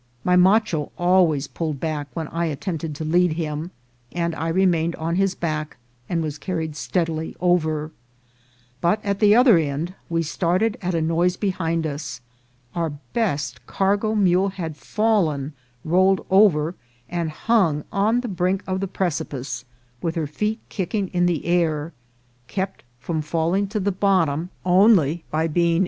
My macho always pulled back when I attempted to lead him, and I remained on his back, and was carried steadily over ; but at the other end we started at a noise behind us. Our best cargo mule had fallen, rolled over, and hung on the brink of the precipice, with her feet kicking in the air, kept from falling to the bottom only by being VOL. II.